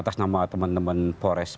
atas nama teman teman pores